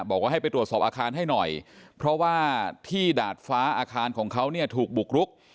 บอกว่าให้ไปตรวจสอบอาคารให้หน่อยเพราะว่าที่ดาดฟ้าอาคารของเขาเนี่ยถูกบุกรุก